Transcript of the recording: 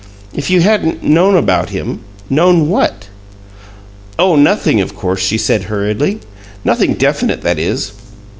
"If you 'hadn't known about him'? Known what?" "Oh, nothing, of course," she said, hurriedly. "Nothing definite, that is.